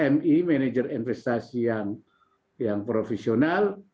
mi manajer investasi yang profesional